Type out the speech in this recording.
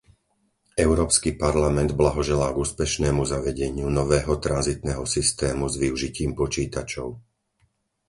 Európsky parlament blahoželá k úspešnému zavedeniu nového tranzitného systému s využitím počítačov.